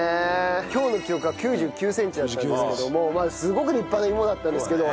今日の記録は９９センチだったんですけどもすごく立派な芋だったんですけど。